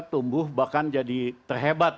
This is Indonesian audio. tumbuh bahkan jadi terhebat